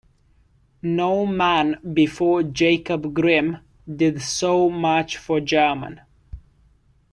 No man before Jakob Grimm did so much for German.